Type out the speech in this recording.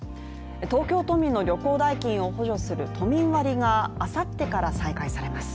東京都民の旅行代金を補助する都民割が明後日から再開されます。